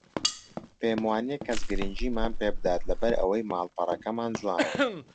پێم وانییە کەس گرنگیمان پێ بدات لەبەر ئەوەی ماڵپەڕەکەمان جوانە